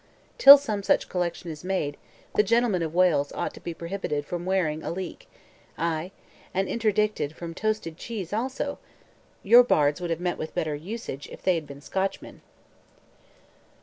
Till some such collection is made, the 'gentlemen of Wales' ought to be prohibited from wearing a leek; ay, and interdicted from toasted cheese also. Your bards would have met with better usage if they had been Scotchmen."